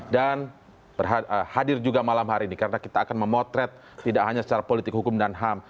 dan hadir juga malam hari ini karena kita akan memotret tidak hanya secara politik hukum dan ham